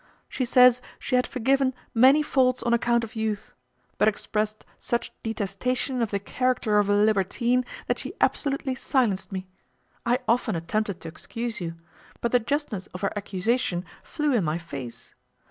She says, she had forgiven many faults on account of youth; but expressed such detestation of the character of a libertine, that she absolutely silenced me. I often attempted to excuse you; but the justness of her accusation flew in my face.